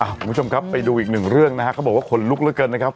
คุณผู้ชมครับไปดูอีกหนึ่งเรื่องนะฮะเขาบอกว่าขนลุกเหลือเกินนะครับ